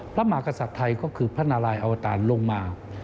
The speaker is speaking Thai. มากษัตริย์ไทยก็คือพระนารายอวตารลงมา